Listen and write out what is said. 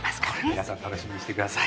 皆さん楽しみにしてください。